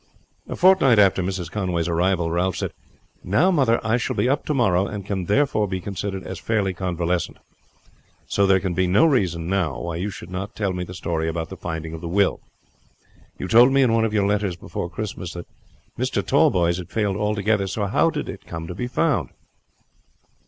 A fortnight after Mrs. Conway's arrival Ralph said, "Now, mother, I shall be up to morrow and can therefore be considered as fairly convalescent, so there can be no reason now why you should not tell the story about the finding of the will. You told me in one of your letters before Christmas that Mr. Tallboys had failed altogether. So how did it come to be found?"